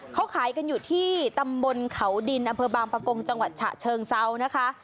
เขาขายกันอยู่ที่ตำบลเขาดินอำเภอบางประกงจังหวัดฉะเชิงเซานะคะ